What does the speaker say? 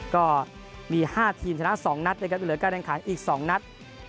ก็มี๕ทีมชนะ๒นัดนะครับยังเหลือการแข่งขันอีก๒นัด